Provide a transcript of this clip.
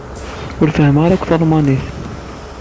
Ur fehhmeɣ akk talmanit.